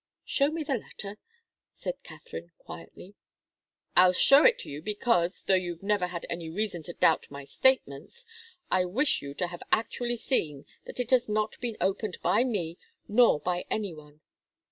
"Show me the letter," said Katharine, quietly. "I'll show it to you because, though you've never had any reason to doubt my statements, I wish you to have actually seen that it has not been opened by me, nor by any one.